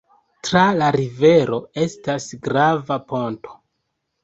Tra la rivero estas grava ponto.